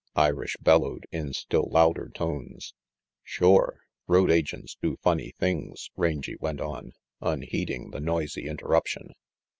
Irish bellowed, in still louder tones. "Shore, road agents do funny things," Rangy went on, unheeding the noisy interruption.